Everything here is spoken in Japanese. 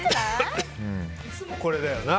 これだよな。